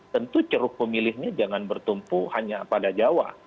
tentu ceruk pemilihnya jangan bertumpu hanya pada jawa